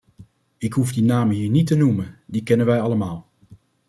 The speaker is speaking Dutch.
Ik hoef die namen hier niet te noemen, die kennen wij allemaal.